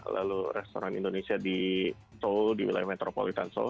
lalu restoran indonesia di seoul di wilayah metropolitan seoul